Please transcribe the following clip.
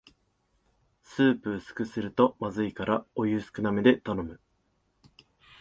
スープ薄くするとまずいからお湯少なめで頼む